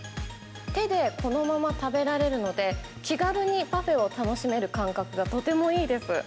手でこのまま食べられるので、気軽にパフェを楽しめる感覚がとてもいいです。